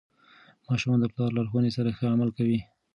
ماشومان د پلار لارښوونو سره ښه عمل کوي.